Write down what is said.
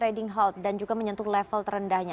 riding halt dan juga menyentuh level terendahnya